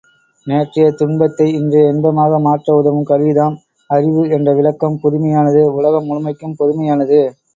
நேற்றையத் துன்பத்தை இன்றைய இன்பமாக மாற்ற உதவும் கருவிதாம் அறிவு என்ற விளக்கம் புதுமையானது உலகம் முழுமைக்கும் பொதுமையானது.